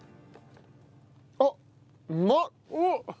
あっうまっ！